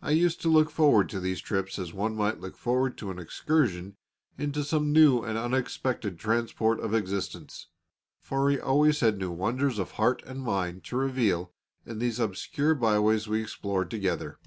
I used to look forward to these trips as one might look forward to an excursion into some new and unexpected transport of existence, for he always had new wonders of heart and mind to reveal in these obscure byways we explored together.